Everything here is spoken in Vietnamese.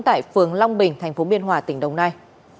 tại phường long bình thành phố biên hòa tỉnh đồng nai